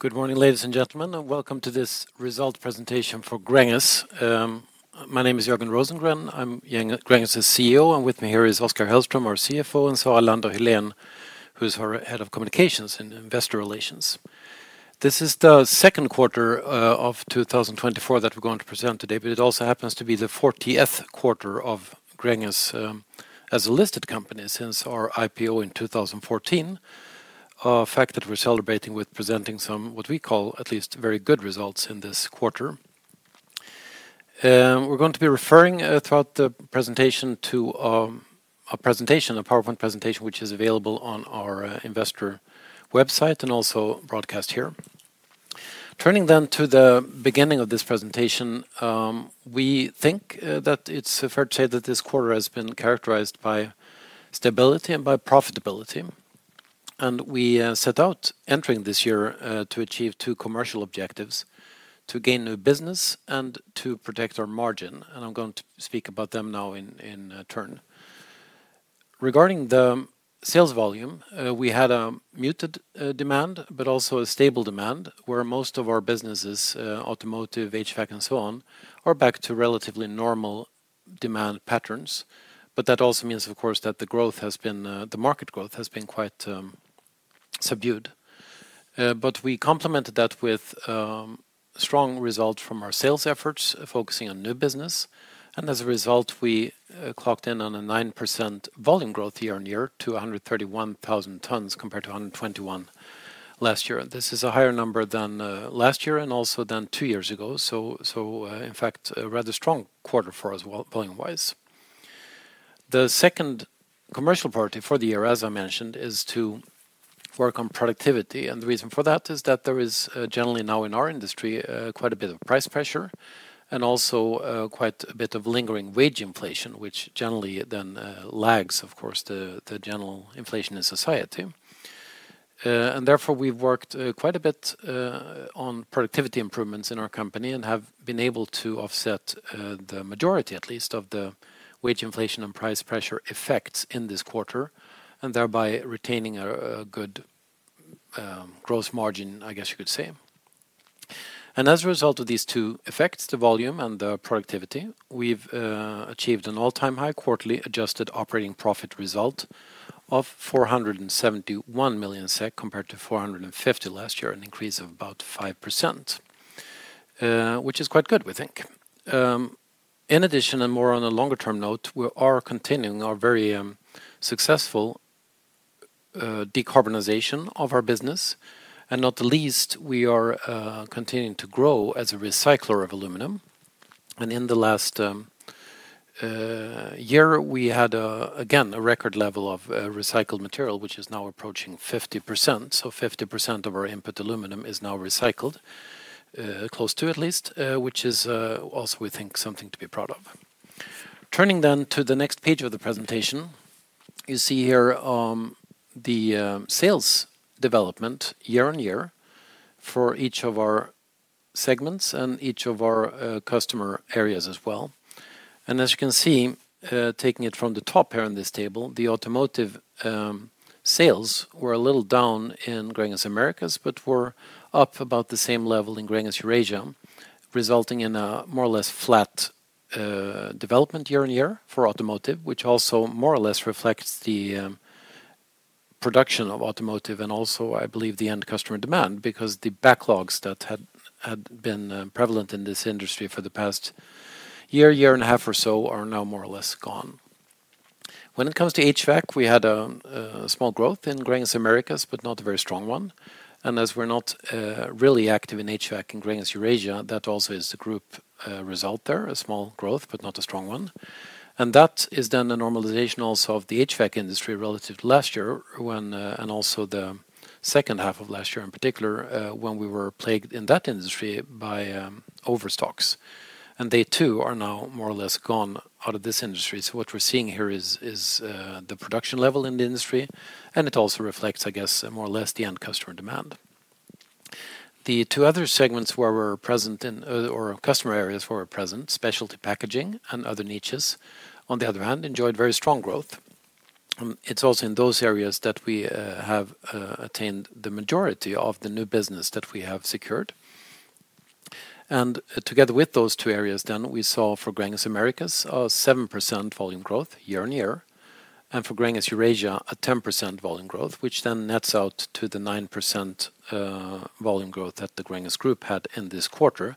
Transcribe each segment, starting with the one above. Good morning, ladies and gentlemen, and welcome to this result presentation for Gränges. My name is Jörgen Rosengren. I'm Gränges' CEO, and with me here is Oskar Hellström, our CFO, and Sara Lander Hyléen, who's our Head of communications and investor relations. This is the second quarter of 2024 that we're going to present today, but it also happens to be the fortieth quarter of Gränges as a listed company since our IPO in 2014. A fact that we're celebrating with presenting some, what we call, at least, very good results in this quarter. We're going to be referring throughout the presentation to a presentation, a PowerPoint presentation, which is available on our investor website, and also broadcast here. Turning then to the beginning of this presentation, we think that it's fair to say that this quarter has been characterized by stability and by profitability. And we set out entering this year to achieve two commercial objectives: to gain new business and to protect our margin, and I'm going to speak about them now in turn. Regarding the sales volume, we had a muted demand, but also a stable demand, where most of our businesses, automotive, HVAC, and so on, are back to relatively normal demand patterns. But that also means, of course, that the market growth has been quite subdued. But we complemented that with strong results from our sales efforts, focusing on new business, and as a result, we clocked in on a 9% volume growth year-on-year to 131,000 tons, compared to 121,000 tons last year. This is a higher number than last year and also than two years ago, so in fact, a rather strong quarter for us volume-wise. The second commercial priority for the year, as I mentioned, is to work on productivity, and the reason for that is that there is generally now in our industry quite a bit of price pressure, and also quite a bit of lingering wage inflation, which generally then lags, of course, the general inflation in society. And therefore, we've worked quite a bit on productivity improvements in our company and have been able to offset the majority, at least, of the wage inflation and price pressure effects in this quarter, and thereby retaining a good gross margin, I guess you could say. As a result of these two effects, the volume and the productivity, we've achieved an all-time high quarterly adjusted operating profit result of 471 million SEK, compared to 450 last year, an increase of about 5%, which is quite good, we think. In addition, and more on a longer-term note, we are continuing our very successful decarbonization of our business, and not the least, we are continuing to grow as a recycler of aluminum. In the last year, we had again a record level of recycled material, which is now approaching 50%. So 50% of our input aluminum is now recycled, close to at least, which is also, we think, something to be proud of. Turning then to the next page of the presentation, you see here the sales development year-over-year for each of our segments and each of our customer areas as well. As you can see, taking it from the top here on this table, the automotive sales were a little down in Gränges Americas, but were up about the same level in Gränges Eurasia, resulting in a more or less flat development year-on-year for automotive, which also more or less reflects the production of automotive, and also, I believe, the end customer demand, because the backlogs that had been prevalent in this industry for the past year and a half or so, are now more or less gone. When it comes to HVAC, we had a small growth in Gränges Americas, but not a very strong one. As we're not really active in HVAC in Gränges Eurasia, that also is the group result there, a small growth, but not a strong one. That is then a normalization also of the HVAC industry relative to last year, when and also the second half of last year, in particular, when we were plagued in that industry by overstocks, and they, too, are now more or less gone out of this industry. So what we're seeing here is the production level in the industry, and it also reflects, I guess, more or less the end customer demand. The two other segments where we're present in or customer areas where we're present, specialty packaging and other niches, on the other hand, enjoyed very strong growth. It's also in those areas that we have attained the majority of the new business that we have secured. And together with those two areas, then, we saw, for Gränges Americas, a 7% volume growth year-on-year, and for Gränges Eurasia, a 10% volume growth, which then nets out to the 9%, volume growth that the Gränges Group had in this quarter.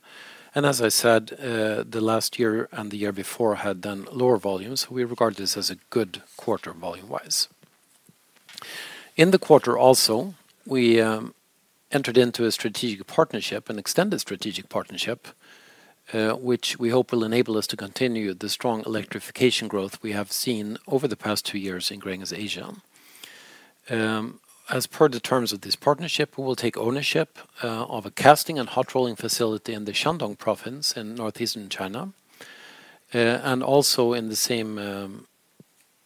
And as I said, the last year and the year before had then lower volumes, so we regard this as a good quarter volume-wise. In the quarter also, we entered into a strategic partnership, an extended strategic partnership, which we hope will enable us to continue the strong electrification growth we have seen over the past 2 years in Gränges Asia. As per the terms of this partnership, we will take ownership of a casting and hot rolling facility in the Shandong province in northeastern China, and also in the same...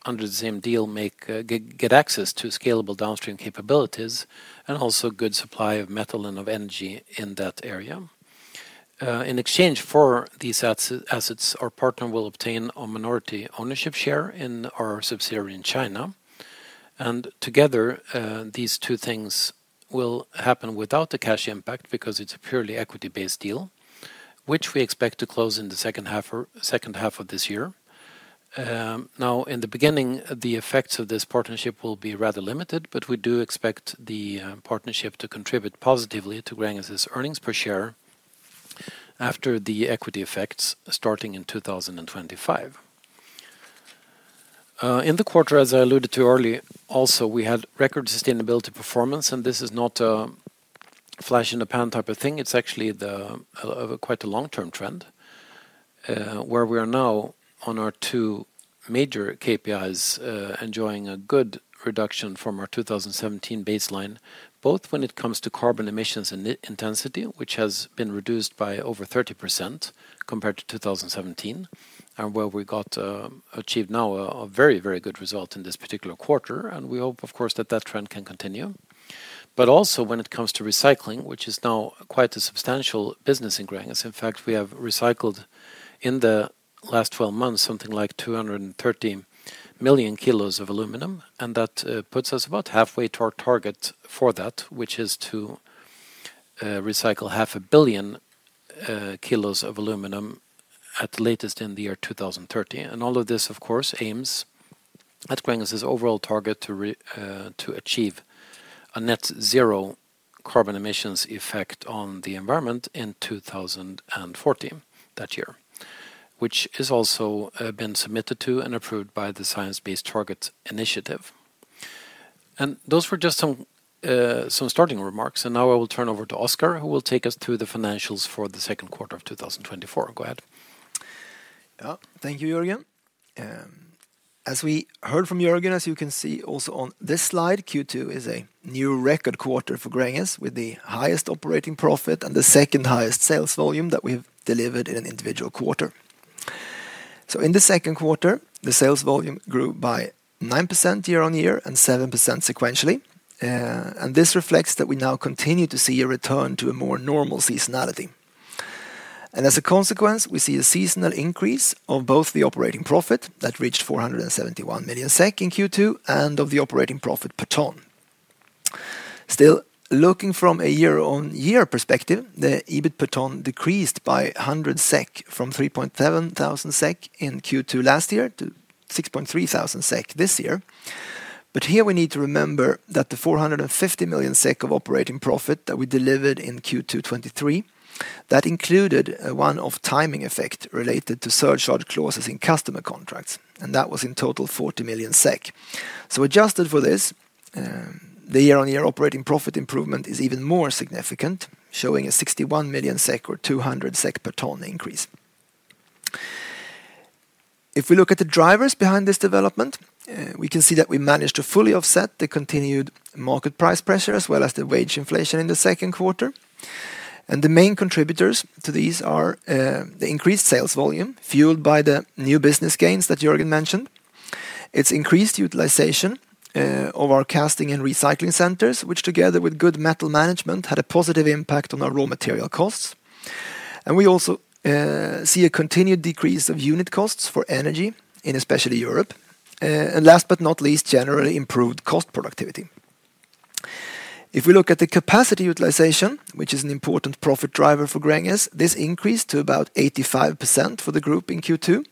Under the same deal, get access to scalable downstream capabilities, and also good supply of metal and of energy in that area. In exchange for these assets, our partner will obtain a minority ownership share in our subsidiary in China. And together, these two things will happen without the cash impact, because it's a purely equity-based deal, which we expect to close in the second half of this year. Now, in the beginning, the effects of this partnership will be rather limited, but we do expect the partnership to contribute positively to Gränges' earnings per share after the equity effects starting in 2025. In the quarter, as I alluded to earlier, also, we had record sustainability performance, and this is not a flash in the pan type of thing. It's actually quite a long-term trend, where we are now on our two major KPIs, enjoying a good reduction from our 2017 baseline, both when it comes to carbon emissions and intensity, which has been reduced by over 30% compared to 2017, and where we got achieved now a very, very good result in this particular quarter, and we hope, of course, that that trend can continue. But also, when it comes to recycling, which is now quite a substantial business in Gränges. In fact, we have recycled, in the last 12 months, something like 213 million kg of aluminum, and that puts us about halfway to our target for that, which is to recycle 500 million kg of aluminum at latest in the year 2030. And all of this, of course, aims at Gränges' overall target to achieve a net zero carbon emissions effect on the environment in 2040, that year, which has also been submitted to and approved by the Science Based Targets initiative. And those were just some some starting remarks, and now I will turn over to Oskar, who will take us through the financials for the second quarter of 2024. Go ahead. Yeah. Thank you, Jörgen. As we heard from Jörgen, as you can see also on this slide, Q2 is a new record quarter for Gränges, with the highest operating profit and the second-highest sales volume that we've delivered in an individual quarter. So in the second quarter, the sales volume grew by 9% year-on-year and 7% sequentially. And this reflects that we now continue to see a return to a more normal seasonality. And as a consequence, we see a seasonal increase of both the operating profit that reached 471 million SEK in Q2 and of the operating profit per ton. Still, looking from a year-on-year perspective, the EBIT per ton decreased by 100 SEK, from 3,700 SEK in Q2 last year to 6,300 SEK this year. But here we need to remember that the 450 million SEK of operating profit that we delivered in Q2 2023, that included a one-off timing effect related to surcharge clauses in customer contracts, and that was in total 40 million SEK. So adjusted for this, the year-on-year operating profit improvement is even more significant, showing a 61 million SEK or 200 SEK per ton increase. If we look at the drivers behind this development, we can see that we managed to fully offset the continued market price pressure, as well as the wage inflation in the second quarter. And the main contributors to these are, the increased sales volume, fueled by the new business gains that Jörgen mentioned. It's increased utilization, of our casting and recycling centers, which, together with good metal management, had a positive impact on our raw material costs. We also see a continued decrease of unit costs for energy in especially Europe. Last but not least, generally improved cost productivity. If we look at the capacity utilization, which is an important profit driver for Gränges, this increased to about 85% for the group in Q2.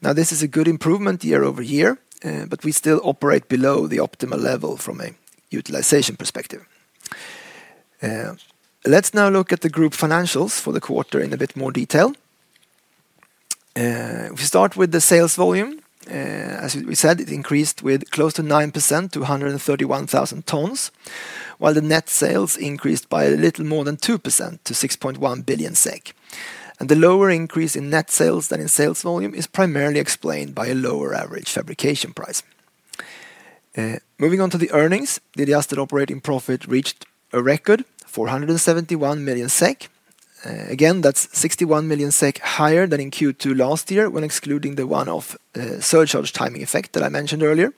Now, this is a good improvement year-over-year, but we still operate below the optimal level from a utilization perspective. Let's now look at the group financials for the quarter in a bit more detail. We start with the sales volume. As we said, it increased with close to 9% to 131,000 tons, while the net sales increased by a little more than 2% to 6.1 billion SEK. The lower increase in net sales than in sales volume is primarily explained by a lower average fabrication price. Moving on to the earnings, the adjusted operating profit reached a record 471 million SEK. Again, that's 61 million SEK higher than in Q2 last year, when excluding the one-off, surcharge timing effect that I mentioned earlier.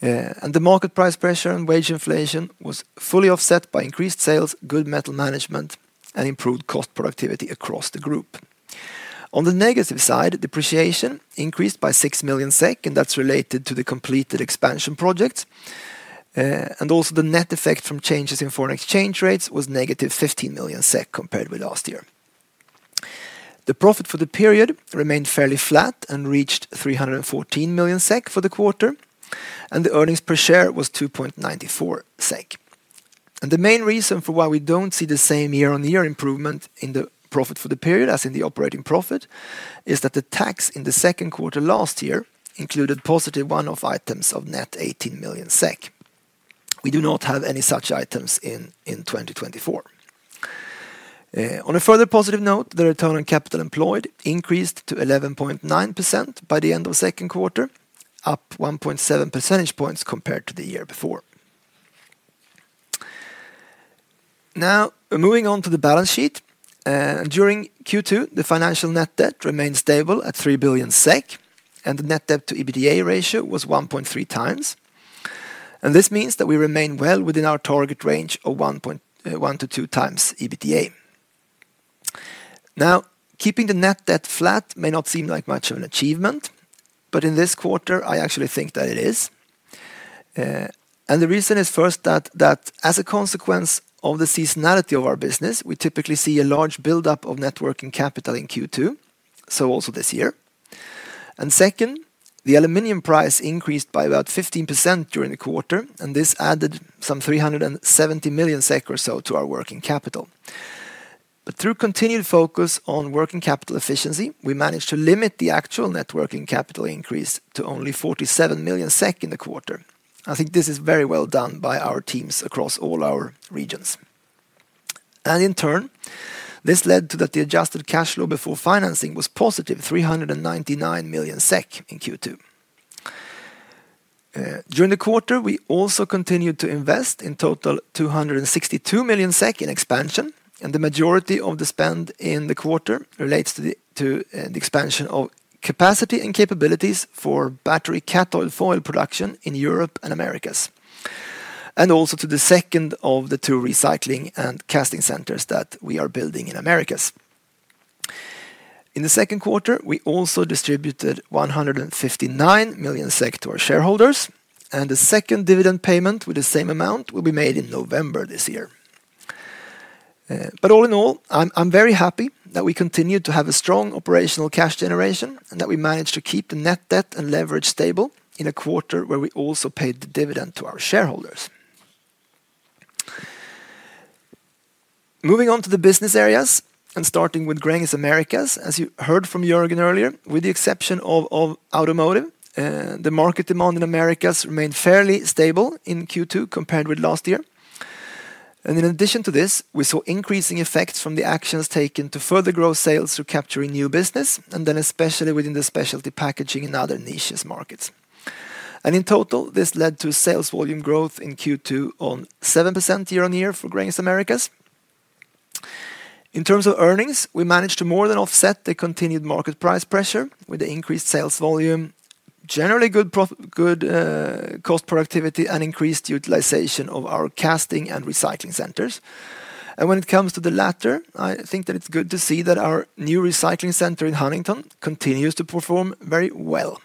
And the market price pressure and wage inflation was fully offset by increased sales, good metal management, and improved cost productivity across the group. On the negative side, depreciation increased by 6 million SEK, and that's related to the completed expansion projects. And also, the net effect from changes in foreign exchange rates was negative 15 million SEK compared with last year. The profit for the period remained fairly flat and reached 314 million SEK for the quarter, and the earnings per share was 2.94 SEK. The main reason for why we don't see the same year-on-year improvement in the profit for the period as in the operating profit is that the tax in the second quarter last year included positive one-off items of net 18 million SEK. We do not have any such items in 2024. On a further positive note, the return on capital employed increased to 11.9% by the end of second quarter, up 1.7 percentage points compared to the year before. Now, moving on to the balance sheet. During Q2, the financial net debt remained stable at 3 billion SEK, and the net debt to EBITDA ratio was 1.3x. This means that we remain well within our target range of 1-2x EBITDA. Now, keeping the net debt flat may not seem like much of an achievement, but in this quarter, I actually think that it is. And the reason is first, that as a consequence of the seasonality of our business, we typically see a large buildup of net working capital in Q2, so also this year. And second, the aluminum price increased by about 15% during the quarter, and this added some 370 million SEK or so to our working capital. But through continued focus on working capital efficiency, we managed to limit the actual net working capital increase to only 47 million SEK in the quarter. I think this is very well done by our teams across all our regions. In turn, this led to the adjusted cash flow before financing was positive, 399 million SEK in Q2. During the quarter, we also continued to invest in total 262 million SEK in expansion, and the majority of the spend in the quarter relates to the expansion of capacity and capabilities for battery cathode foil production in Europe and Americas, and also to the second of the two recycling and casting centers that we are building in Americas. In the second quarter, we also distributed 159 million to our shareholders, and the second dividend payment with the same amount will be made in November this year. But all in all, I'm very happy that we continued to have a strong operational cash generation, and that we managed to keep the net debt and leverage stable in a quarter where we also paid the dividend to our shareholders. Moving on to the business areas, and starting with Gränges Americas, as you heard from Jörgen earlier, with the exception of automotive, the market demand in Americas remained fairly stable in Q2 compared with last year. And in addition to this, we saw increasing effects from the actions taken to further grow sales through capturing new business, and then especially within the specialty packaging and other niche markets. And in total, this led to sales volume growth in Q2 on 7% year-on-year for Gränges Americas. In terms of earnings, we managed to more than offset the continued market price pressure with the increased sales volume, generally good cost productivity, and increased utilization of our casting and recycling centers. And when it comes to the latter, I think that it's good to see that our new recycling center in Huntington continues to perform very well.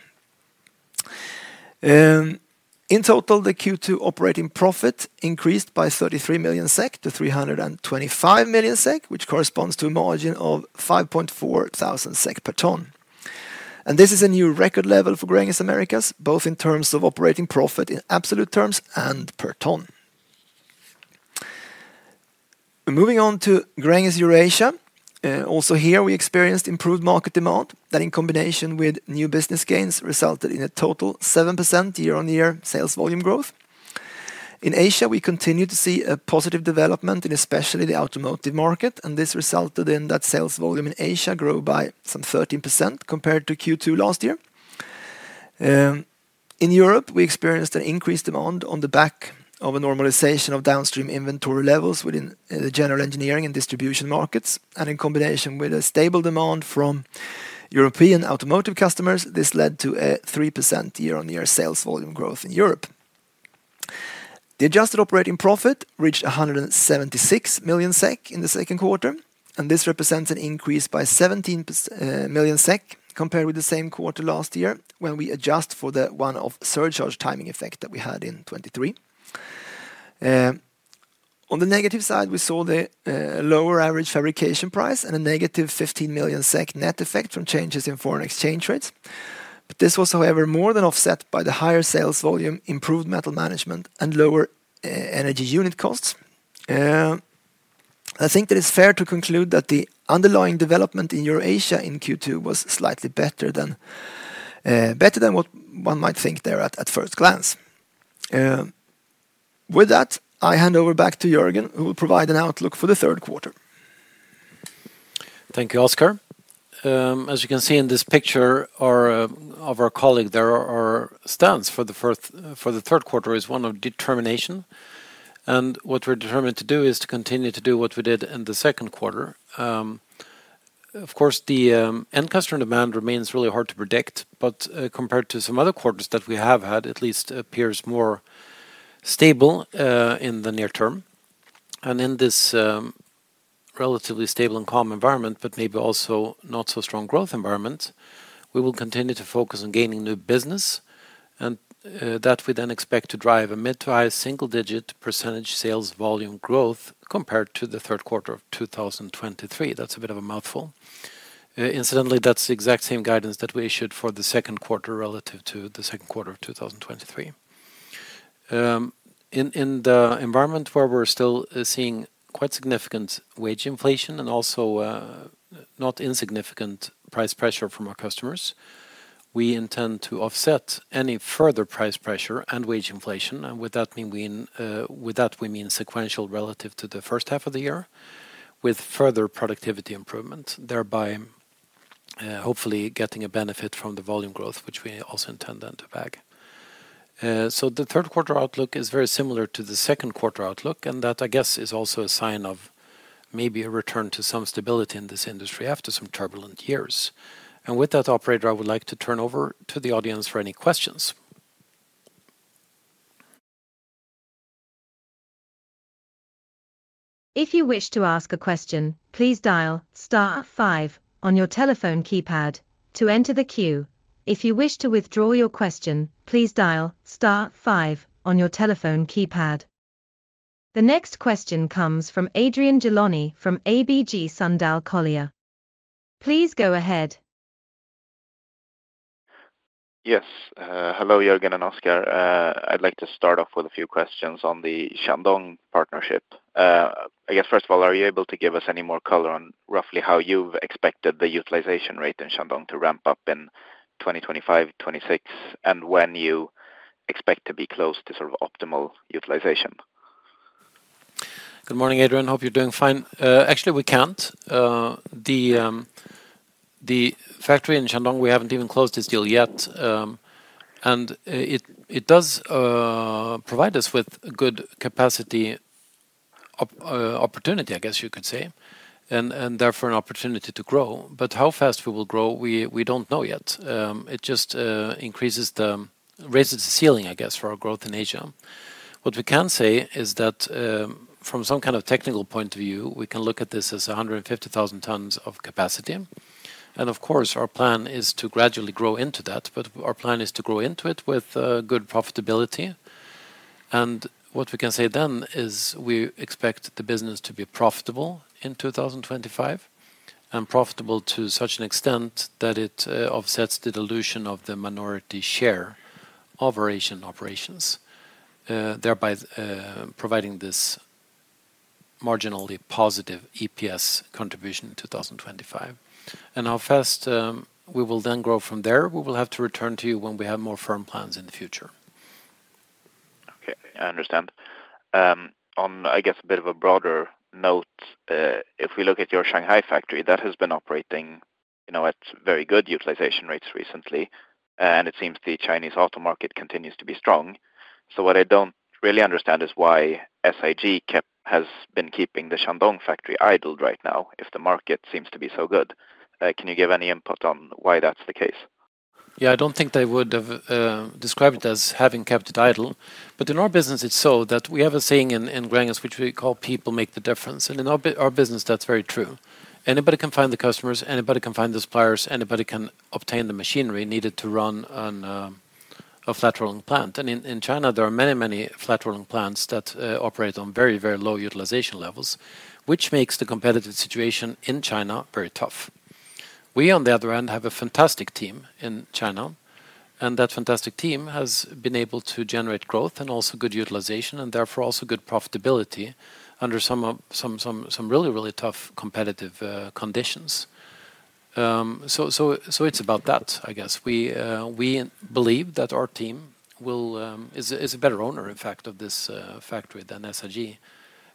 In total, the Q2 operating profit increased by 33 million SEK to 325 million SEK, which corresponds to a margin of 5.4 thousand SEK per ton. And this is a new record level for Gränges Americas, both in terms of operating profit in absolute terms and per ton. Moving on to Gränges Eurasia, also here, we experienced improved market demand, that in combination with new business gains, resulted in a total 7% year-on-year sales volume growth. In Asia, we continued to see a positive development in especially the automotive market, and this resulted in that sales volume in Asia grew by some 13% compared to Q2 last year. In Europe, we experienced an increased demand on the back of a normalization of downstream inventory levels within the general engineering and distribution markets, and in combination with a stable demand from European automotive customers, this led to a 3% year-on-year sales volume growth in Europe. The adjusted operating profit reached 176 million SEK in the second quarter, and this represents an increase by 17 million SEK, compared with the same quarter last year, when we adjust for the one-off surcharge timing effect that we had in 2023. On the negative side, we saw the lower average fabrication price and a negative 15 million SEK net effect from changes in foreign exchange rates. But this was, however, more than offset by the higher sales volume, improved metal management, and lower energy unit costs. I think that it's fair to conclude that the underlying development in Eurasia in Q2 was slightly better than better than what one might think there at first glance. With that, I hand over back to Jörgen, who will provide an outlook for the third quarter. Thank you, Oskar. As you can see in this picture of our colleague there, our stance for the fourth, for the third quarter is one of determination. And what we're determined to do is to continue to do what we did in the second quarter. Of course, the end customer demand remains really hard to predict, but compared to some other quarters that we have had, at least appears more stable in the near term. And in this relatively stable and calm environment, but maybe also not so strong growth environment, we will continue to focus on gaining new business, and that we then expect to drive a mid-to-high single-digit % sales volume growth compared to the third quarter of 2023. That's a bit of a mouthful. Incidentally, that's the exact same guidance that we issued for the second quarter relative to the second quarter of 2023. In the environment where we're still seeing quite significant wage inflation and also not insignificant price pressure from our customers, we intend to offset any further price pressure and wage inflation, and with that we mean sequential relative to the first half of the year, with further productivity improvement, thereby hopefully getting a benefit from the volume growth, which we also intend then to bag. The third quarter outlook is very similar to the second quarter outlook, and that, I guess, is also a sign of maybe a return to some stability in this industry after some turbulent years. With that, operator, I would like to turn over to the audience for any questions. If you wish to ask a question, please dial star five on your telephone keypad to enter the queue. If you wish to withdraw your question, please dial star five on your telephone keypad. The next question comes from Adrian Gilani from ABG Sundal Collier. Please go ahead. Yes, hello, Jörgen and Oskar. I'd like to start off with a few questions on the Shandong partnership. I guess, first of all, are you able to give us any more color on roughly how you've expected the utilization rate in Shandong to ramp up in 2025-2026, and when you expect to be close to sort of optimal utilization? Good morning, Adrian. Hope you're doing fine. Actually, we can't. The factory in Shandong, we haven't even closed this deal yet, and it does provide us with good capacity opportunity, I guess you could say, and therefore an opportunity to grow. But how fast we will grow, we don't know yet. It just increases the... raises the ceiling, I guess, for our growth in Asia. What we can say is that, from some kind of technical point of view, we can look at this as 150,000 tons of capacity, and of course, our plan is to gradually grow into that, but our plan is to grow into it with good profitability. What we can say then is we expect the business to be profitable in 2025, and profitable to such an extent that it offsets the dilution of the minority share of Asian operations, thereby providing this marginally positive EPS contribution in 2025. How fast we will then grow from there, we will have to return to you when we have more firm plans in the future. Okay, I understand. On, I guess, a bit of a broader note, if we look at your Shanghai factory, that has been operating, you know, at very good utilization rates recently, and it seems the Chinese auto market continues to be strong. So what I don't really understand is why SIG kept, has been keeping the Shandong factory idled right now, if the market seems to be so good. Can you give any input on why that's the case? Yeah, I don't think they would have described it as having kept it idle. But in our business, it's so that we have a saying in Gränges, which we call people make the difference, and in our business, that's very true. Anybody can find the customers, anybody can find the suppliers, anybody can obtain the machinery needed to run on a flat rolling plant. And in China, there are many, many flat rolling plants that operate on very, very low utilization levels, which makes the competitive situation in China very tough. We, on the other hand, have a fantastic team in China, and that fantastic team has been able to generate growth and also good utilization, and therefore also good profitability under some really, really tough competitive conditions. So, so, so it's about that, I guess. We believe that our team is a better owner, in fact, of this factory than SIG,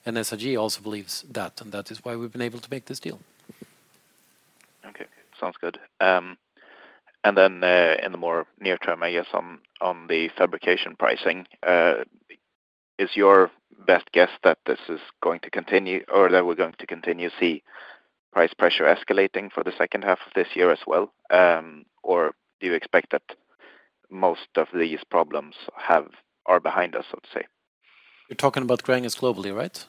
and SIG also believes that, and that is why we've been able to make this deal. Okay. Sounds good. And then, in the more near term, I guess, on the fabrication pricing, is your best guess that this is going to continue, or that we're going to continue to see price pressure escalating for the second half of this year as well? Or do you expect that most of these problems are behind us, I'd say? You're talking about Gränges globally, right?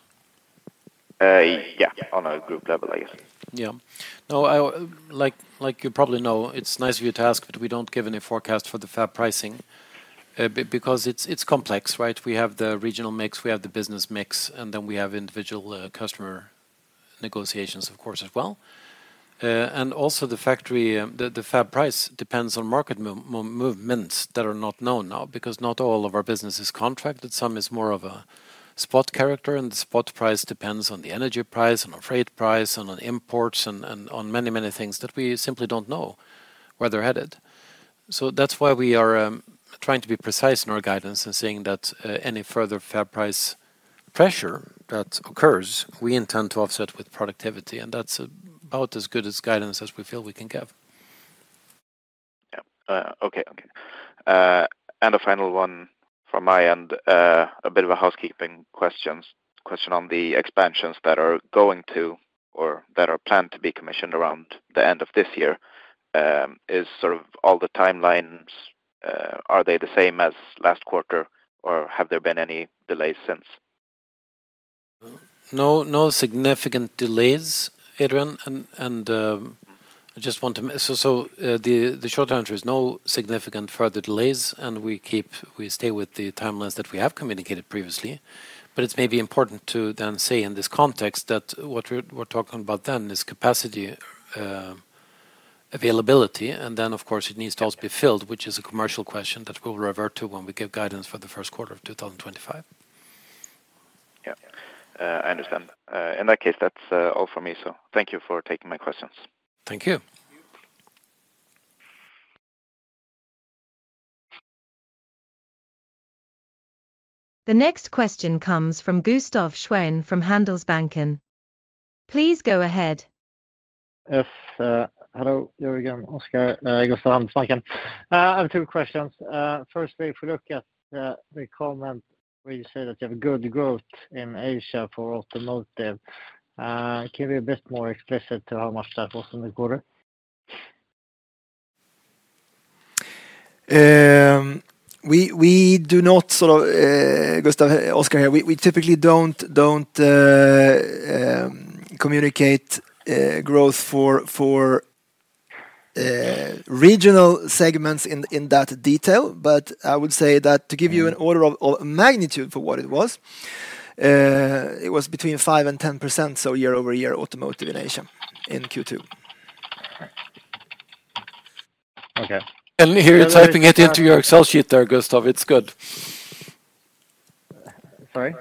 Yeah, on a group level, I guess. Yeah. No, I like you probably know, it's nice of you to ask, but we don't give any forecast for the fab pricing, because it's complex, right? We have the regional mix, we have the business mix, and then we have individual customer negotiations, of course, as well. And also the factory, the fab price depends on market movements that are not known now, because not all of our business is contracted. Some is more of a spot character, and the spot price depends on the energy price, on the freight price, and on imports, and on many things that we simply don't know where they're headed. That's why we are trying to be precise in our guidance and saying that any further metal price pressure that occurs, we intend to offset with productivity, and that's about as good as guidance as we feel we can give. Yeah. Okay. Okay. And a final one from my end, a bit of a housekeeping questions. Question on the expansions that are going to or that are planned to be commissioned around the end of this year. Is sort of all the timelines, are they the same as last quarter, or have there been any delays since? No, no significant delays, Adrian, and I just want to... So, the short answer is no significant further delays, and we keep, we stay with the timelines that we have communicated previously. But it's maybe important to then say in this context, that what we're talking about then is capacity, availability, and then, of course, it needs to also be filled, which is a commercial question that we'll revert to when we give guidance for the first quarter of 2025. Yeah, I understand. In that case, that's all for me, so thank you for taking my questions. Thank you. The next question comes from Gustav Schwerin from Handelsbanken. Please go ahead.... Yes, hello, Jörgen. Oskar, Gustav Handelsbanken. I have two questions. Firstly, if we look at the comment where you say that you have good growth in Asia for automotive, can you be a bit more explicit to how much that was in the quarter? We do not sort of, Gustav, Oskar here, we typically don't communicate growth for regional segments in that detail. But I would say that to give you an order of magnitude for what it was, it was between 5% and 10%, so year-over-year, automotive in Asia, in Q2. Okay. We hear you're typing it into your Excel sheet there, Gustav. It's good. Sorry?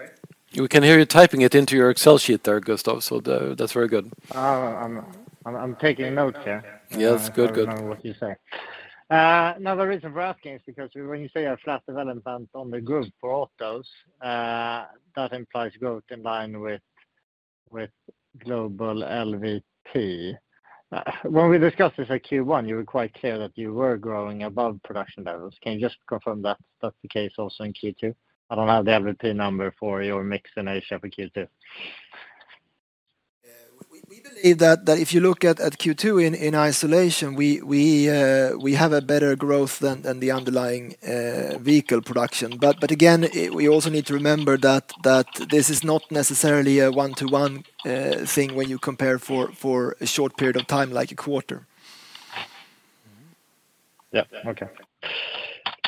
We can hear you typing it into your Excel sheet there, Gustav, so that's very good. Oh, I'm taking notes here. Yes. Good, good. I want to remember what you say. Now, the reason for asking is because when you say a flat development on the group for autos, that implies growth in line with, with global LVP. When we discussed this at Q1, you were quite clear that you were growing above production levels. Can you just confirm that that's the case also in Q2? I don't have the LVP number for your mix in Asia for Q2. We believe that if you look at Q2 in isolation, we have a better growth than the underlying vehicle production. But again, we also need to remember that this is not necessarily a one-to-one thing when you compare for a short period of time, like a quarter. Mm-hmm. Yeah. Okay.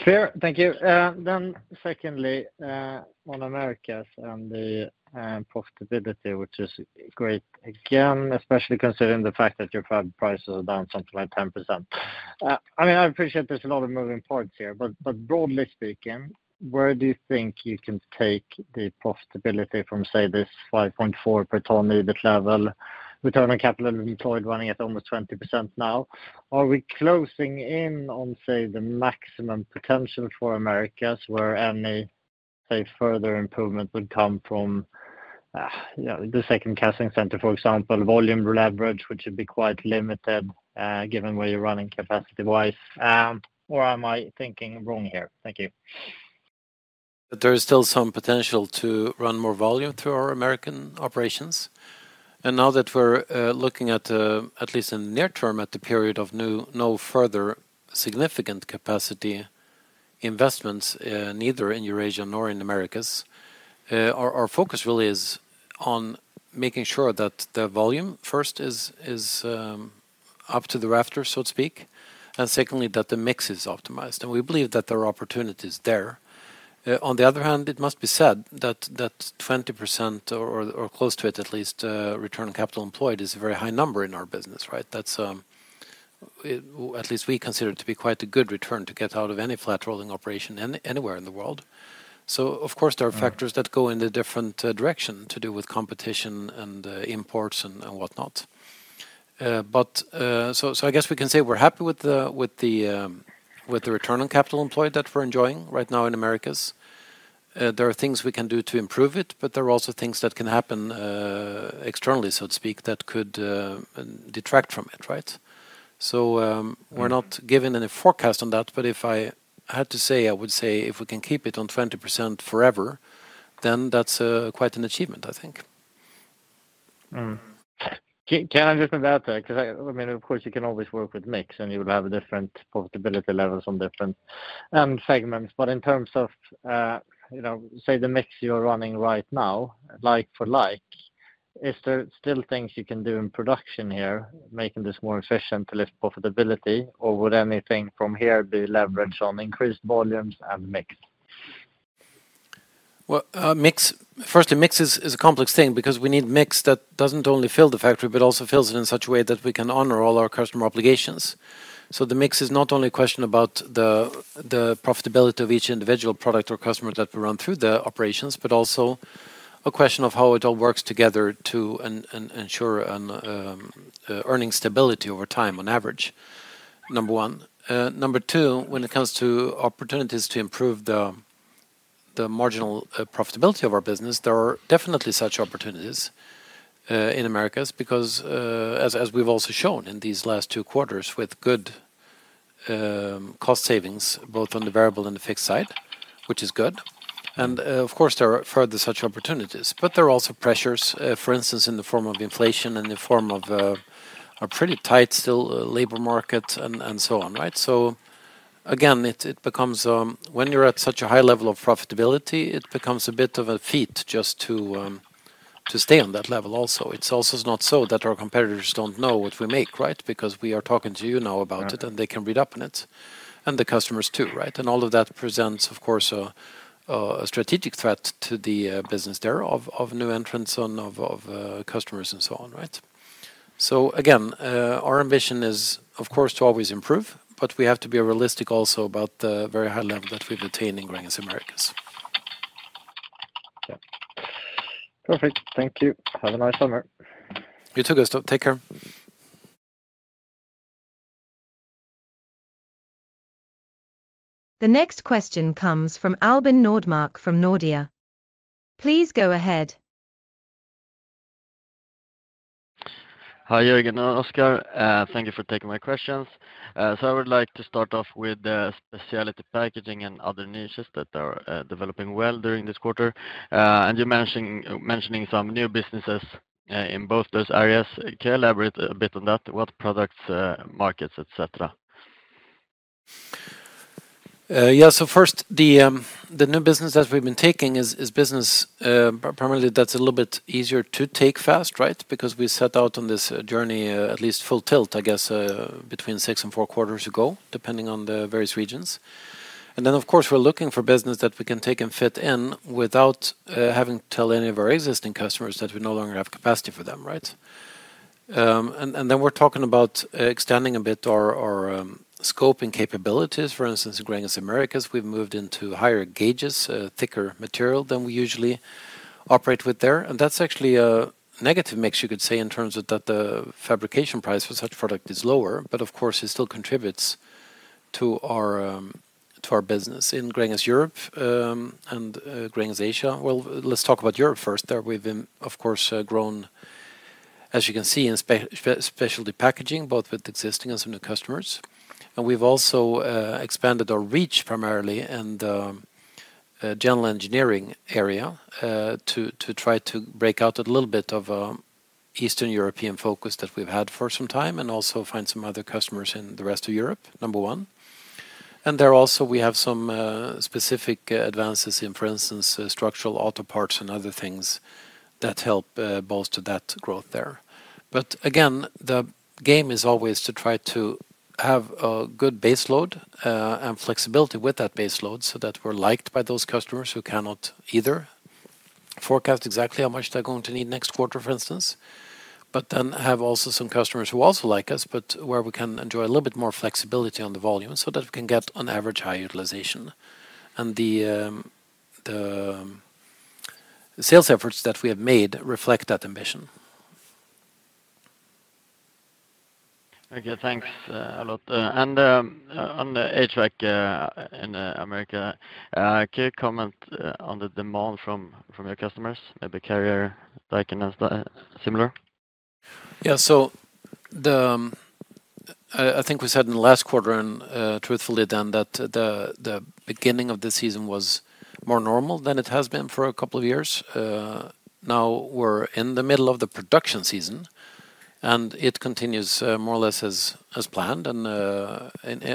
Fair. Thank you. Then secondly, on Americas and the profitability, which is great again, especially considering the fact that your fab prices are down something like 10%. I mean, I appreciate there's a lot of moving parts here, but, but broadly speaking, where do you think you can take the profitability from, say, this 5.4 per ton EBITDA level, return on capital employed, running at almost 20% now? Are we closing in on, say, the maximum potential for Americas, where any, say, further improvement would come from, you know, the second casting center, for example, volume leverage, which would be quite limited, given where you're running capacity-wise, or am I thinking wrong here? Thank you. There is still some potential to run more volume through our American operations. And now that we're looking at, at least in the near term, at the period of no further significant capacity investments, neither in Eurasia nor in Americas, our focus really is on making sure that the volume first is up to the rafters, so to speak, and secondly, that the mix is optimized, and we believe that there are opportunities there. On the other hand, it must be said that 20% or close to it, at least, return on capital employed, is a very high number in our business, right? That's at least we consider it to be quite a good return to get out of any flat rolling operation anywhere in the world. Of course, there are factors that go in a different direction to do with competition and imports and whatnot. But so I guess we can say we're happy with the return on capital employed that we're enjoying right now in Americas. There are things we can do to improve it, but there are also things that can happen externally, so to speak, that could detract from it, right? So we're not giving any forecast on that, but if I had to say, I would say if we can keep it on 20% forever, then that's quite an achievement, I think. Can I just add to that? Because, I mean, of course, you can always work with mix and you will have different profitability levels on different segments. But in terms of, you know, say, the mix you are running right now, like for like, is there still things you can do in production here, making this more efficient to lift profitability? Or would anything from here be leverage on increased volumes and mix? Well, firstly, mix is a complex thing because we need mix that doesn't only fill the factory, but also fills it in such a way that we can honor all our customer obligations. So the mix is not only a question about the profitability of each individual product or customer that we run through the operations, but also a question of how it all works together to ensure earnings stability over time, on average, number 1. Number 2, when it comes to opportunities to improve the marginal profitability of our business, there are definitely such opportunities in Americas, because as we've also shown in these last 2 quarters, with good cost savings, both on the variable and the fixed side, which is good. Of course, there are further such opportunities, but there are also pressures, for instance, in the form of inflation and in the form of a pretty tight still labor market and so on, right? So again, it becomes, when you're at such a high level of profitability, it becomes a bit of a feat just to stay on that level also. It's also not so that our competitors don't know what we make, right? Because we are talking to you now about it. Yeah... and they can read up on it, and the customers, too, right? And all of that presents, of course, a strategic threat to the business there of new entrants, of customers and so on, right? So again, our ambition is, of course, to always improve, but we have to be realistic also about the very high level that we've attained in Americas. Yeah. Perfect. Thank you. Have a nice summer. You too, Gustav. Take care. ... The next question comes from Albin Nordmark from Nordea. Please go ahead. Hi, Jörgen and Oskar, thank you for taking my questions. So I would like to start off with the specialty packaging and other niches that are developing well during this quarter. And you're mentioning, mentioning some new businesses in both those areas. Can you elaborate a bit on that? What products, markets, et cetera? Yeah, so first, the new business that we've been taking is business primarily that's a little bit easier to take fast, right? Because we set out on this journey at least full tilt, I guess, between 6 and 4 quarters ago, depending on the various regions. And then, of course, we're looking for business that we can take and fit in without having to tell any of our existing customers that we no longer have capacity for them, right? And then we're talking about extending a bit our scope and capabilities. For instance, in Gränges Americas, we've moved into higher gauges, thicker material than we usually operate with there, and that's actually a negative mix, you could say, in terms of that the fabrication price for such product is lower, but of course, it still contributes to our, to our business. In Gränges Europe, and Gränges Asia... Well, let's talk about Europe first. There we've, of course, grown, as you can see, in specialty packaging, both with existing and some new customers, and we've also expanded our reach primarily in the, general engineering area, to try to break out a little bit of Eastern European focus that we've had for some time and also find some other customers in the rest of Europe, number one. And there also we have some specific advances in, for instance, structural auto parts and other things that help bolster that growth there. But again, the game is always to try to have a good baseload and flexibility with that baseload, so that we're liked by those customers who cannot either forecast exactly how much they're going to need next quarter, for instance, but then have also some customers who also like us, but where we can enjoy a little bit more flexibility on the volume so that we can get on average high utilization. And the sales efforts that we have made reflect that ambition. Okay, thanks a lot. And on the HVAC in America, can you comment on the demand from your customers, maybe Carrier, Daikin, and similar? Yeah, so I think we said in the last quarter, and truthfully then, that the beginning of the season was more normal than it has been for a couple of years. Now we're in the middle of the production season, and it continues more or less as planned and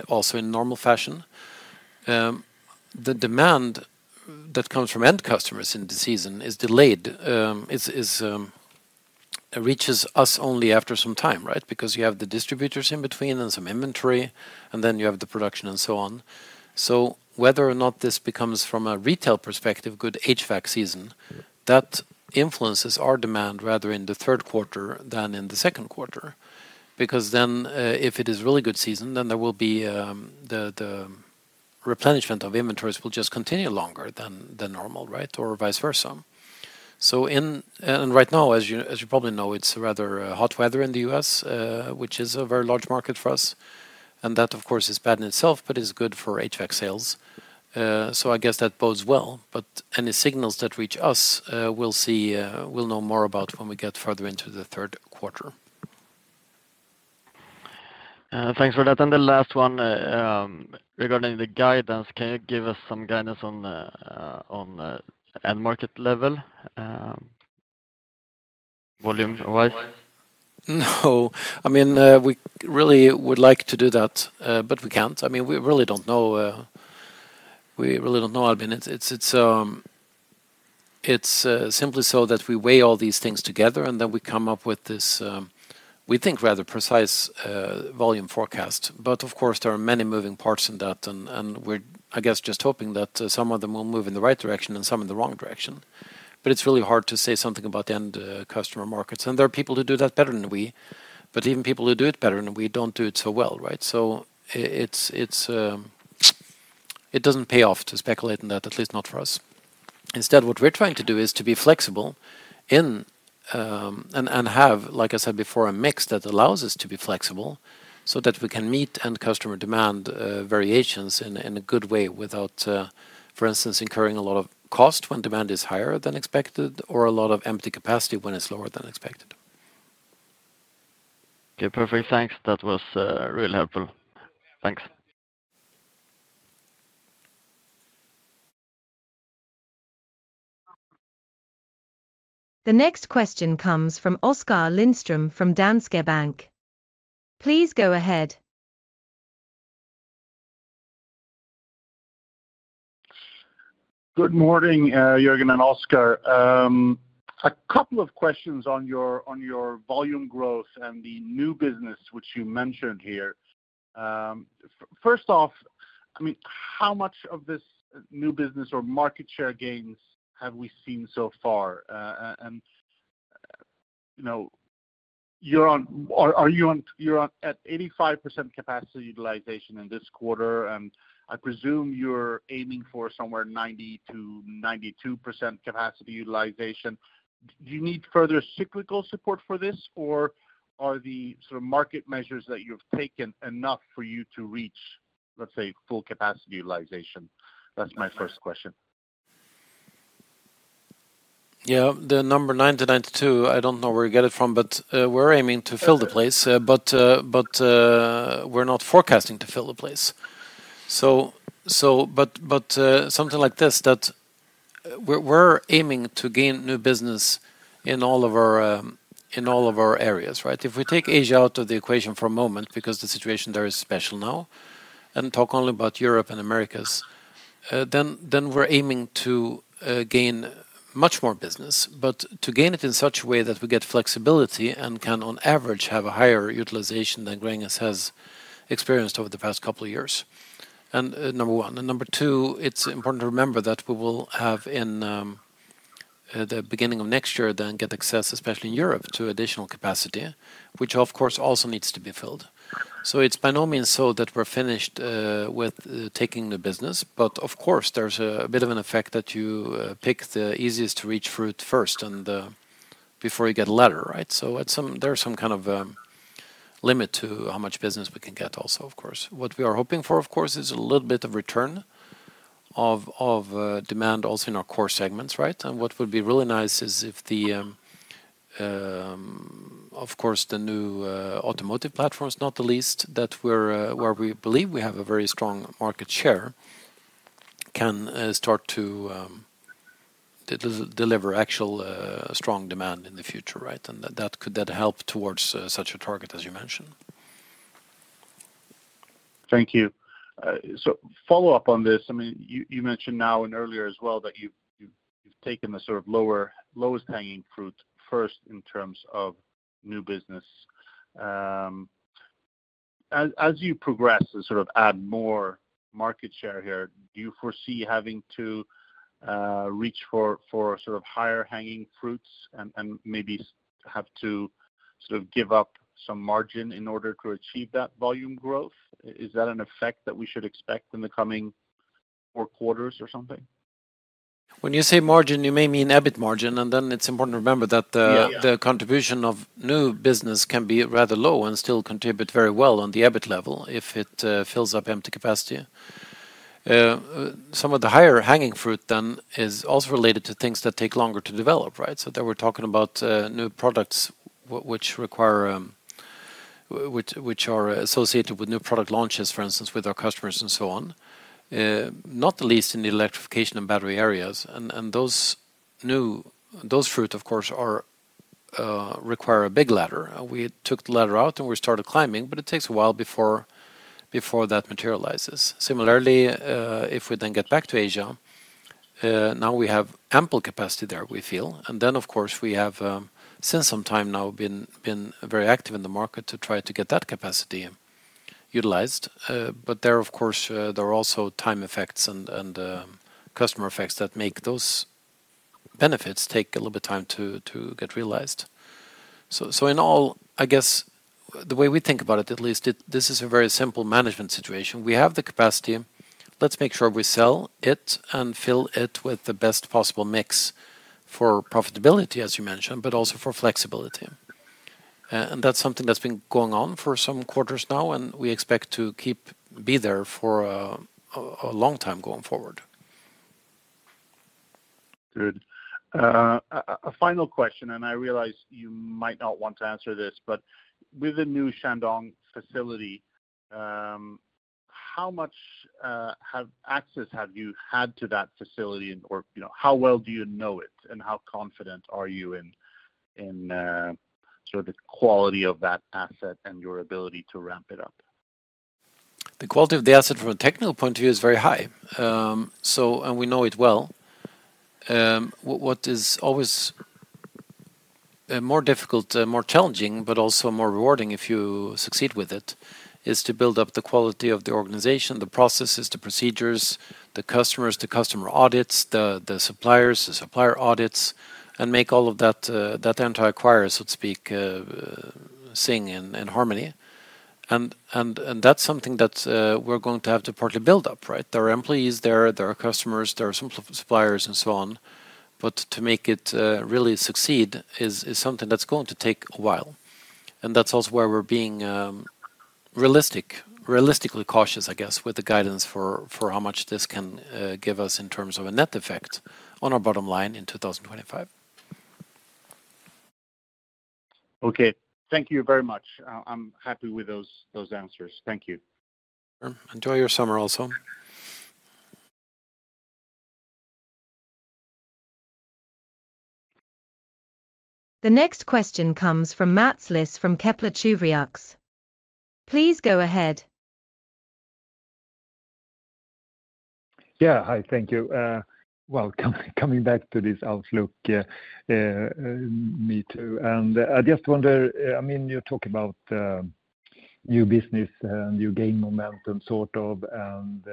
also in normal fashion. The demand that comes from end customers in the season is delayed; it reaches us only after some time, right? Because you have the distributors in between and some inventory, and then you have the production and so on. So whether or not this becomes, from a retail perspective, good HVAC season, that influences our demand rather in the third quarter than in the second quarter, because then, if it is really good season, then there will be the replenishment of inventories will just continue longer than normal, right, or vice versa. And right now, as you probably know, it's rather hot weather in the U.S., which is a very large market for us, and that, of course, is bad in itself, but is good for HVAC sales. So I guess that bodes well, but any signals that reach us, we'll see, we'll know more about when we get further into the third quarter. Thanks for that. And the last one, regarding the guidance, can you give us some guidance on the end market level, volume-wise? No. I mean, we really would like to do that, but we can't. I mean, we really don't know. We really don't know, Albin. It's simply so that we weigh all these things together, and then we come up with this, we think, rather precise volume forecast. But of course, there are many moving parts in that, and we're, I guess, just hoping that some of them will move in the right direction and some in the wrong direction. But it's really hard to say something about the end customer markets, and there are people who do that better than we, but even people who do it better than we, don't do it so well, right? So it's, it doesn't pay off to speculate on that, at least not for us. Instead, what we're trying to do is to be flexible in and have, like I said before, a mix that allows us to be flexible, so that we can meet end customer demand variations in a good way, without, for instance, incurring a lot of cost when demand is higher than expected, or a lot of empty capacity when it's lower than expected. Okay, perfect. Thanks. That was really helpful. Thanks. The next question comes from Oskar Lindström from Danske Bank. Please go ahead. Good morning, Jörgen and Oskar. A couple of questions on your, on your volume growth and the new business which you mentioned here. First off, I mean, how much of this new business or market share gains have we seen so far? And, you know, are you on, you're on at 85% capacity utilization in this quarter, and I presume you're aiming for somewhere 90%-92% capacity utilization. Do you need further cyclical support for this, or are the sort of market measures that you've taken enough for you to reach, let's say, full capacity utilization? That's my first question. Yeah, the number 90%-92%, I don't know where you get it from, but we're aiming to fill the place. But we're not forecasting to fill the place. So, but something like this, that we're aiming to gain new business in all of our areas, right? If we take Asia out of the equation for a moment, because the situation there is special now, and talk only about Europe and Americas, then we're aiming to gain much more business. But to gain it in such a way that we get flexibility and can, on average, have a higher utilization than Gränges has experienced over the past couple of years. And, number one, and number two, it's important to remember that we will have in, the beginning of next year, then get access, especially in Europe, to additional capacity, which, of course, also needs to be filled. So it's by no means so that we're finished with taking the business, but of course, there's a bit of an effect that you pick the easiest to reach fruit first and, before you get a ladder, right? So there are some kind of limit to how much business we can get also, of course. What we are hoping for, of course, is a little bit of return of demand also in our core segments, right? What would be really nice is if, of course, the new automotive platform is not the least, that we're where we believe we have a very strong market share, can start to deliver actual strong demand in the future, right? And that could help toward such a target, as you mentioned. Thank you. So follow up on this. I mean, you mentioned now and earlier as well, that you've taken the sort of lowest hanging fruit first in terms of new business. As you progress and sort of add more market share here, do you foresee having to reach for sort of higher hanging fruits and maybe have to sort of give up some margin in order to achieve that volume growth? Is that an effect that we should expect in the coming four quarters or something? When you say margin, you may mean EBIT margin, and then it's important to remember that the- Yeah... the contribution of new business can be rather low and still contribute very well on the EBIT level if it fills up empty capacity. Some of the higher hanging fruit then is also related to things that take longer to develop, right? So then we're talking about new products, which require, which are associated with new product launches, for instance, with our customers and so on. Not the least in the electrification and battery areas, and those fruit, of course, require a big ladder. We took the ladder out, and we started climbing, but it takes a while before that materializes. Similarly, if we then get back to Asia, now we have ample capacity there, we feel. And then, of course, we have, since some time now, been very active in the market to try to get that capacity utilized. But there, of course, there are also time effects and customer effects that make those benefits take a little bit of time to get realized. So, in all, I guess, the way we think about it, at least, this is a very simple management situation. We have the capacity. Let's make sure we sell it and fill it with the best possible mix for profitability, as you mentioned, but also for flexibility. And that's something that's been going on for some quarters now, and we expect to be there for a long time going forward. Good. A final question, and I realize you might not want to answer this, but with the new Shandong facility, how much access have you had to that facility? Or, you know, how well do you know it, and how confident are you in sort of the quality of that asset and your ability to ramp it up? The quality of the asset from a technical point of view is very high. So, and we know it well. What is always more difficult, more challenging, but also more rewarding if you succeed with it, is to build up the quality of the organization, the processes, the procedures, the customers, the customer audits, the suppliers, the supplier audits, and make all of that, that entire acquire, so to speak, sing in harmony. And that's something that we're going to have to partly build up, right? There are employees there, there are customers, there are suppliers, and so on. But to make it really succeed is something that's going to take a while. And that's also where we're being realistic, realistically cautious, I guess, with the guidance for how much this can give us in terms of a net effect on our bottom line in 2025. Okay. Thank you very much. I'm happy with those, those answers. Thank you. Enjoy your summer also. The next question comes from Mats Liss from Kepler Cheuvreux. Please go ahead. Yeah. Hi, thank you. Well, coming back to this outlook, me too. And I just wonder, I mean, you talk about new business and you gain momentum, sort of, and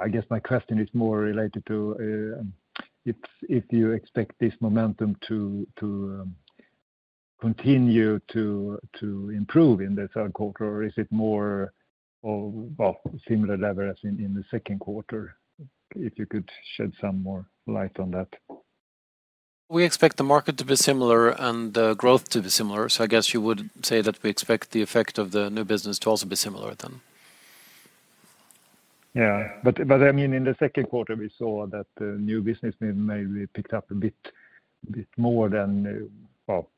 I guess my question is more related to if you expect this momentum to continue to improve in the third quarter, or is it more of well, similar level as in the second quarter? If you could shed some more light on that. We expect the market to be similar and the growth to be similar, so I guess you would say that we expect the effect of the new business to also be similar then. Yeah. But I mean, in the second quarter, we saw that the new business may be picked up a bit more than, well,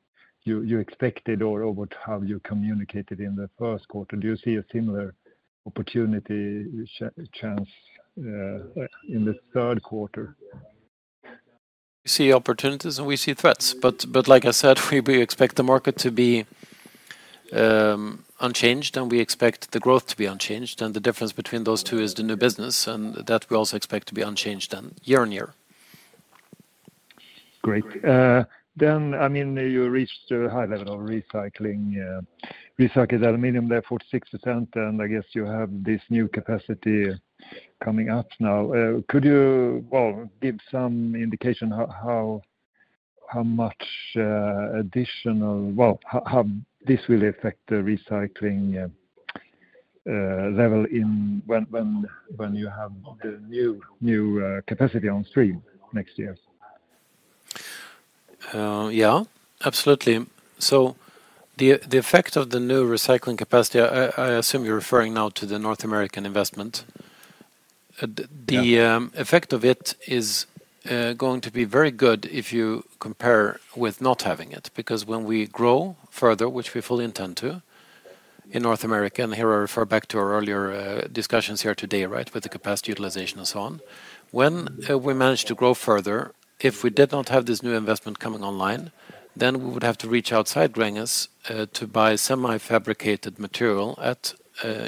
you expected or over to how you communicated in the first quarter. Do you see a similar opportunity, chance, in the third quarter? We see opportunities and we see threats, but like I said, we expect the market to be unchanged, and we expect the growth to be unchanged, and the difference between those two is the new business, and that we also expect to be unchanged then, year-on-year. Great. Then, I mean, you reached a high level of recycling, recycled aluminum there, 46%, and I guess you have this new capacity coming up now. Could you, well, give some indication how much additional—well, how this will affect the recycling level when you have the new capacity on stream next year? Yeah, absolutely. So the effect of the new recycling capacity, I assume you're referring now to the North American investment. Yeah... the effect of it is going to be very good if you compare with not having it, because when we grow further, which we fully intend to in North America, and here I refer back to our earlier discussions here today, right? With the capacity utilization and so on. When we manage to grow further, if we did not have this new investment coming online, then we would have to reach outside Gränges to buy semi-fabricated material at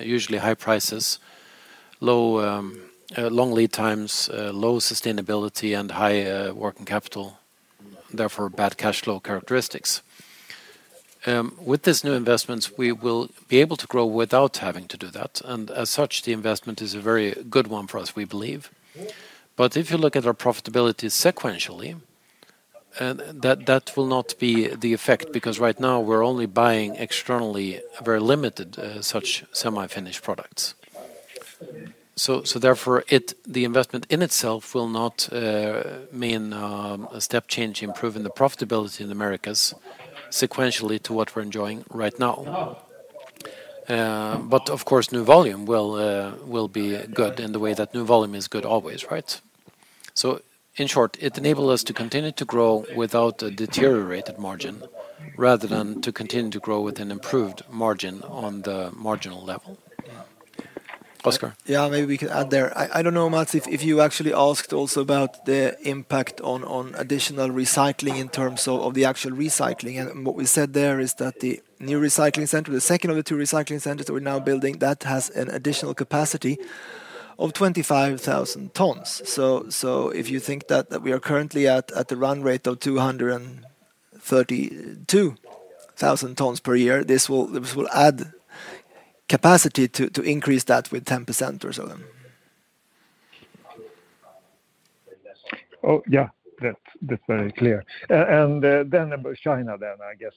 usually high prices, long lead times, low sustainability, and high working capital, therefore, bad cash flow characteristics. With this new investments, we will be able to grow without having to do that, and as such, the investment is a very good one for us, we believe. But if you look at our profitability sequentially, and that, that will not be the effect, because right now we're only buying externally a very limited such semi-finished products. So, therefore, it, the investment in itself will not mean a step change in improving the profitability in Americas sequentially to what we're enjoying right now. But of course, new volume will, will be good in the way that new volume is good always, right? So in short, it enable us to continue to grow without a deteriorated margin, rather than to continue to grow with an improved margin on the marginal level. Oskar? Yeah, maybe we can add there. I don't know, Mats, if you actually asked also about the impact on additional recycling in terms of the actual recycling. And what we said there is that the new recycling center, the second of the two recycling centers that we're now building, that has an additional capacity of 25,000 tons. So if you think that we are currently at the run rate of 232,000 tons per year, this will add capacity to increase that with 10% or so then. Oh, yeah. That's, that's very clear. And then China then, I guess.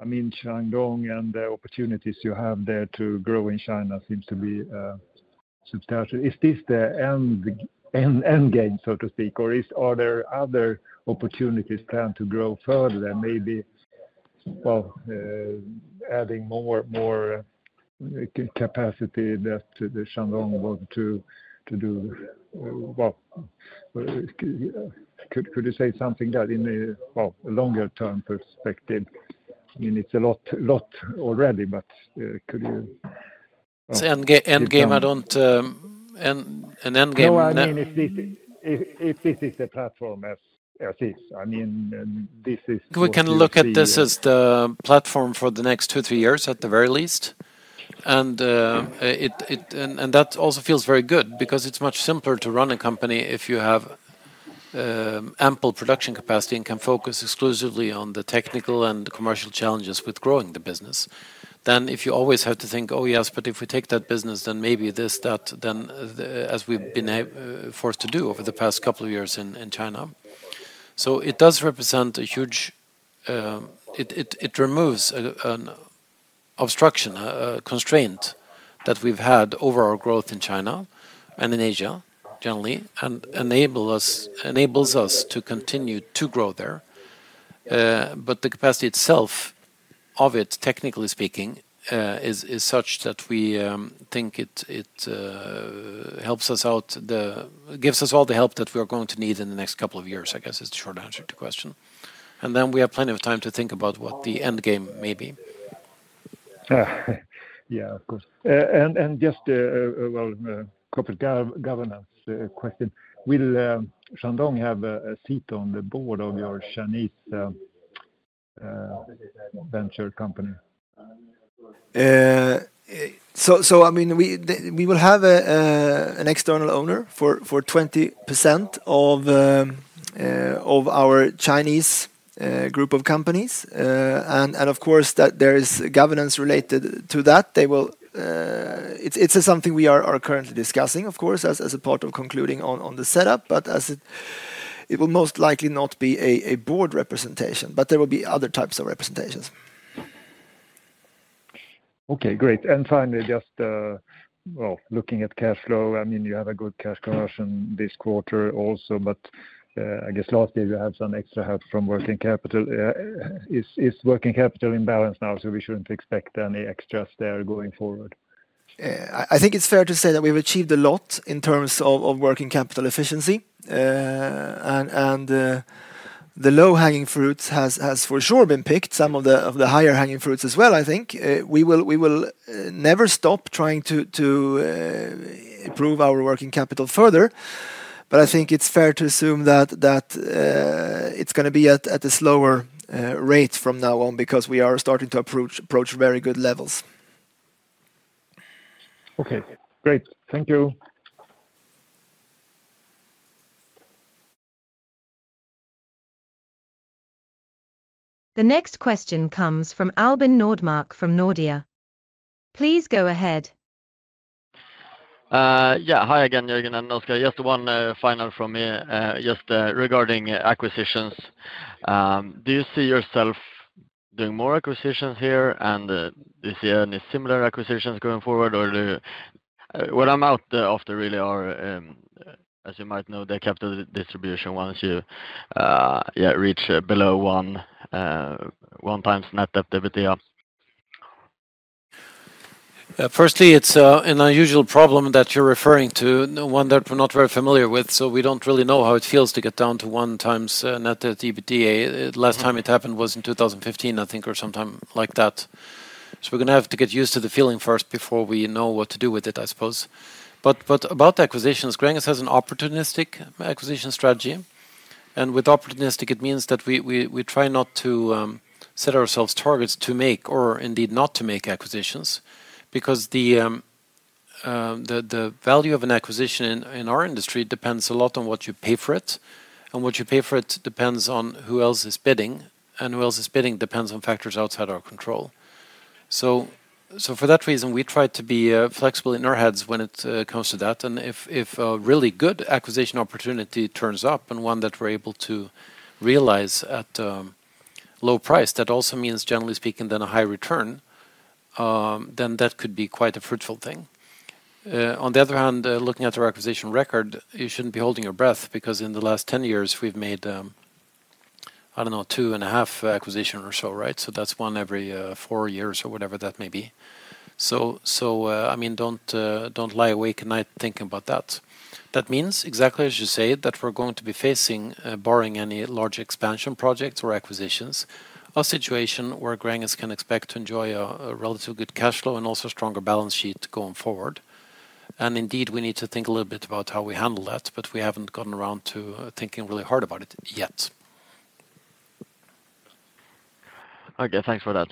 I mean, Shandong and the opportunities you have there to grow in China seems to be substantial. Is this the end game, so to speak, or are there other opportunities plan to grow further and maybe, well, adding more capacity that the Shandong want to do? Well, could you say something that in a, well, a longer term perspective? I mean, it's a lot already, but could you- So, end game, I don't... an end game. No, I mean, if this is the platform as is, I mean, and this is what you see- We can look at this as the platform for the next 2-3 years, at the very least. And that also feels very good because it's much simpler to run a company if you have ample production capacity and can focus exclusively on the technical and commercial challenges with growing the business, than if you always have to think, "Oh, yes, but if we take that business, then maybe this, that," as we've been forced to do over the past couple of years in China. So it does represent a huge. It removes an obstruction, a constraint that we've had over our growth in China and in Asia, generally, and enables us to continue to grow there. But the capacity itself, of it, technically speaking, is such that we think it gives us all the help that we are going to need in the next couple of years, I guess, is the short answer to your question. And then we have plenty of time to think about what the end game may be. Yeah, of course. And just, well, corporate governance question. Will Shandong have a seat on the board of your Chinese venture company? So, I mean, we will have an external owner for 20% of our Chinese group of companies. And of course, that there is governance related to that. They will... It's something we are currently discussing, of course, as a part of concluding on the setup, but it will most likely not be a board representation, but there will be other types of representations.... Okay, great. And finally, just, well, looking at cash flow, I mean, you have a good cash conversion this quarter also, but, I guess last year you had some extra help from working capital. Is working capital in balance now, so we shouldn't expect any extras there going forward? I think it's fair to say that we've achieved a lot in terms of working capital efficiency. And the low-hanging fruits has for sure been picked, some of the higher hanging fruits as well, I think. We will never stop trying to improve our working capital further. But I think it's fair to assume that it's gonna be at a slower rate from now on, because we are starting to approach very good levels. Okay, great. Thank you. The next question comes from Albin Nordmark, from Nordea. Please go ahead. Yeah. Hi again, Jörgen and Oskar. Just one final from me, just regarding acquisitions. Do you see yourself doing more acquisitions here, and do you see any similar acquisitions going forward? Or do you... What I'm out after really are, as you might know, the capital distribution once you reach below 1x net debt. Firstly, it's an unusual problem that you're referring to, one that we're not very familiar with, so we don't really know how it feels to get down to 1x net debt EBITDA. Yeah. The last time it happened was in 2015, I think, or sometime like that. So we're gonna have to get used to the feeling first before we know what to do with it, I suppose. But about the acquisitions, Gränges has an opportunistic acquisition strategy, and with opportunistic, it means that we try not to set ourselves targets to make or indeed not to make acquisitions, because the value of an acquisition in our industry depends a lot on what you pay for it, and what you pay for it depends on who else is bidding, and who else is bidding depends on factors outside our control. So for that reason, we try to be flexible in our heads when it comes to that. If a really good acquisition opportunity turns up, and one that we're able to realize at a low price, that also means, generally speaking, then a high return, then that could be quite a fruitful thing. On the other hand, looking at our acquisition record, you shouldn't be holding your breath, because in the last 10 years we've made, I don't know, 2.5 acquisition or so, right? So that's one every 4 years or whatever that may be. So I mean, don't lie awake at night thinking about that. That means, exactly as you say, that we're going to be facing, barring any large expansion projects or acquisitions, a situation where Gränges can expect to enjoy a relatively good cash flow and also stronger balance sheet going forward. And indeed, we need to think a little bit about how we handle that, but we haven't gotten around to thinking really hard about it yet. Okay, thanks for that.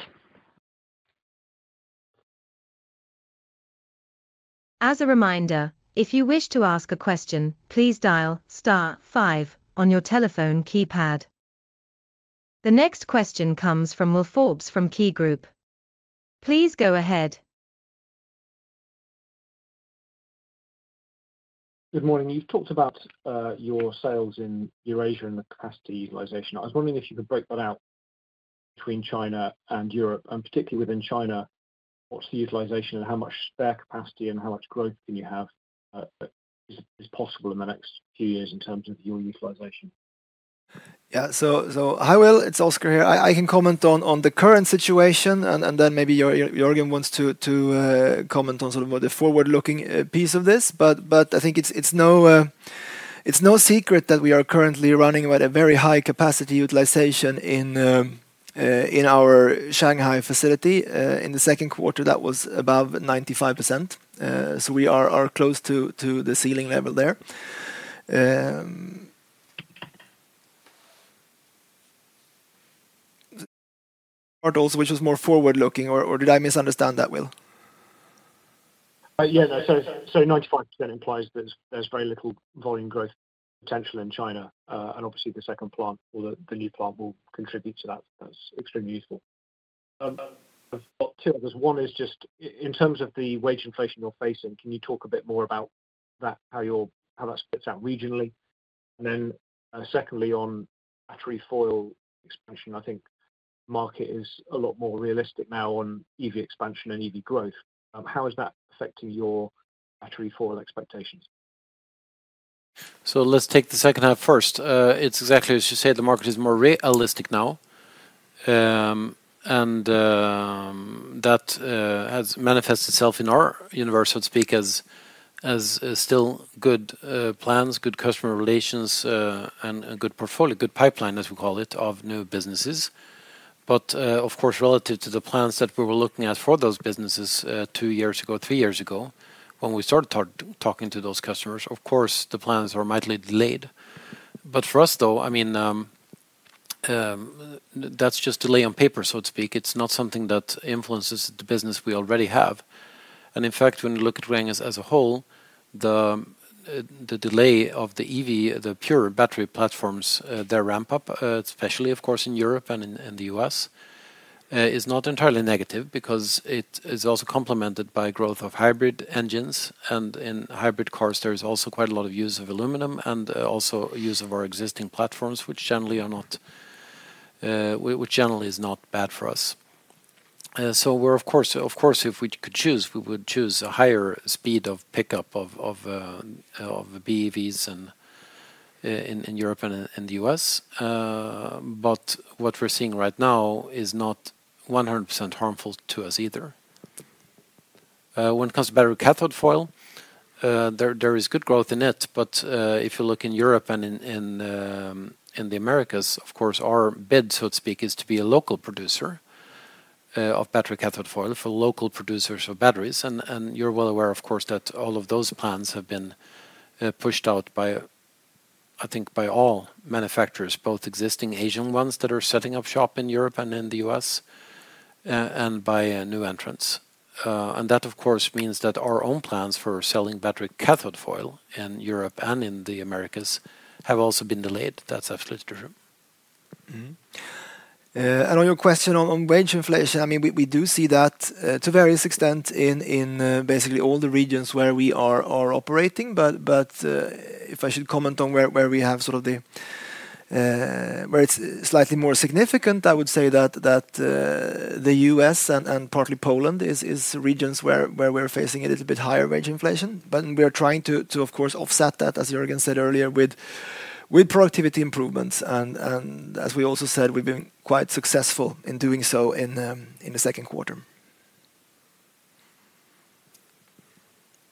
As a reminder, if you wish to ask a question, please dial star five on your telephone keypad. The next question comes from Will Forbes from Key Group. Please go ahead. Good morning. You've talked about your sales in Eurasia and the capacity utilization. I was wondering if you could break that out between China and Europe, and particularly within China, what's the utilization and how much spare capacity and how much growth do you have is possible in the next few years in terms of your utilization? Yeah. So hi, Will, it's Oskar here. I can comment on the current situation, and then maybe Jörgen wants to comment on sort of more the forward-looking piece of this. But I think it's no secret that we are currently running at a very high-capacity utilization in our Shanghai facility. In the second quarter, that was above 95%. We are close to the ceiling level there. Are those which is more forward-looking, or did I misunderstand that, Will? Yeah, no. So, 95% implies there's very little volume growth potential in China. And obviously, the second plant or the new plant will contribute to that. That's extremely useful. I've got two, because one is just in terms of the wage inflation you're facing. Can you talk a bit more about that, how that splits out regionally? And then, secondly, on battery foil expansion, I think market is a lot more realistic now on EV expansion and EV growth. How is that affecting your battery foil expectations? So let's take the second half first. It's exactly as you said, the market is more realistic now. And that has manifested itself in our universe, so to speak, as still good plans, good customer relations, and a good portfolio, good pipeline, as we call it, of new businesses. But of course, relative to the plans that we were looking at for those businesses two years ago, three years ago, when we started talking to those customers, of course, the plans are mildly delayed. But for us, though, I mean, that's just delay on paper, so to speak. It's not something that influences the business we already have. In fact, when you look at Gränges as a whole, the delay of the EV, the pure battery platforms, their ramp up, especially of course in Europe and in the U.S., is not entirely negative because it is also complemented by growth of hybrid engines. In hybrid cars, there is also quite a lot of use of aluminum and also use of our existing platforms, which generally is not bad for us. So we're of course, if we could choose, we would choose a higher speed of pickup of BEVs in Europe and in the U.S. But what we're seeing right now is not 100% harmful to us either. When it comes to battery cathode foil, there is good growth in it, but if you look in Europe and in the Americas, of course, our bid, so to speak, is to be a local producer of battery cathode foil for local producers of batteries. And you're well aware, of course, that all of those plans have been pushed out by, I think, by all manufacturers, both existing Asian ones that are setting up shop in Europe and in the US, and by new entrants. And that, of course, means that our own plans for selling battery cathode foil in Europe and in the Americas have also been delayed. That's absolutely true. Mm-hmm. And on your question on wage inflation, I mean, we do see that to various extent in basically all the regions where we are operating. But if I should comment on where we have sort of the... Where it's slightly more significant, I would say that the U.S. and partly Poland is regions where we're facing a little bit higher wage inflation. But we are trying to, of course, offset that, as Jörgen said earlier, with productivity improvements. And as we also said, we've been quite successful in doing so in the second quarter.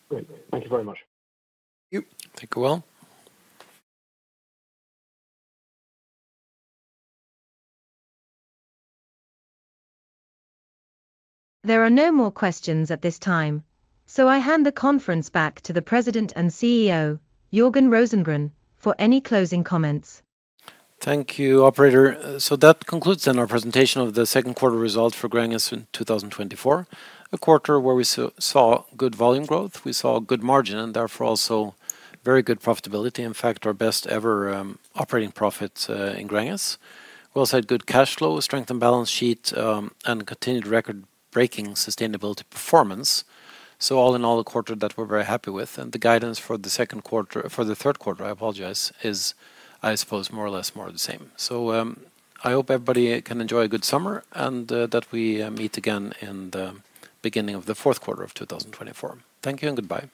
Great. Thank you very much. Thank you. Thank you, Will. There are no more questions at this time, so I hand the conference back to the President and CEO, Jörgen Rosengren, for any closing comments. Thank you, operator. So that concludes then our presentation of the second quarter results for Gränges in 2024. A quarter where we saw good volume growth, we saw good margin, and therefore also very good profitability. In fact, our best ever operating profit in Gränges. We also had good cash flow, strength and balance sheet, and continued record-breaking sustainability performance. So all in all, a quarter that we're very happy with, and the guidance for the second quarter—for the third quarter, I apologize, is, I suppose, more or less more the same. So, I hope everybody can enjoy a good summer, and, that we, meet again in the beginning of the fourth quarter of 2024. Thank you and goodbye.